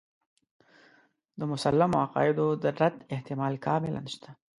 د مسلمو عقایدو د رد احتمال کاملاً شته.